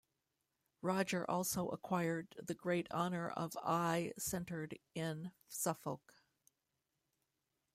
Roger also acquired the great honour of Eye centered in Suffolk.